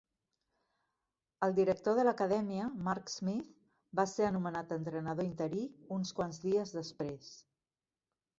El director de l'acadèmia, Mark Smith, va ser anomenat entrenador interí uns quants dies després.